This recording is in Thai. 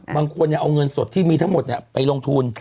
บางคนเอาเงินสดที่มีทั้งหมดไปลงทุน